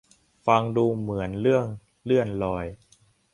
ฟังดูเหมือนเรื่องเลื่อนลอย